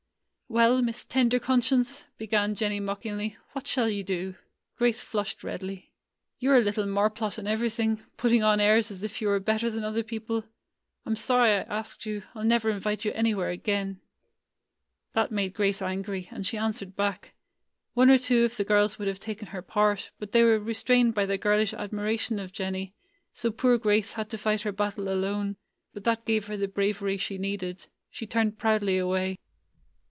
"Well, Miss Tender Conscience," began Jennie mockingly, "what shall you do?" [ 86 ] GRAGE^S HOLIDAY Grace flushed redly. "You 're a little marplot in everything; put ting on airs as if you were better than other people. I 'm sorry I asked you; I 'll never invite you anywhere again." That made Grace angry, and she answered back. One or two of the girls would have taken her part, but they were restrained by their girlish admiration of Jennie; so poor Grace had to fight her battle alone; but that gave her the bravery she needed. She turned proudly away.